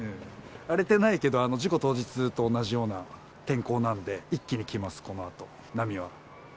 荒れてないけど、事故当日と同じような天候なんで、一気に来ます、このあと、波は。